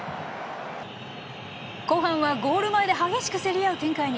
後半はゴール前で激しく競り合う展開に。